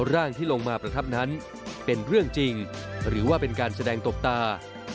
ร่างที่ลงมาประทับนั้นเป็นเรื่องจริงหรือว่าเป็นการแสดงตบตา